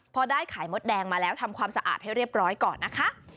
พอได้ไข่มดแดงมาแล้วทำความสะอาดให้เรียบร้อยก่อนนะคะ